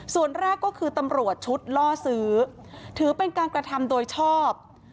ส่วนแรกก็คือตำรวจชุดล่อซื้อถือเป็นการกระทำโดยชอบ